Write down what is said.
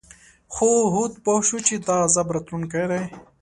خو هود پوه شو چې دا عذاب راتلونکی دی.